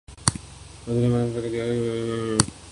حضرت سلیمان نے خط دیا کہ وہاں ڈال آئے۔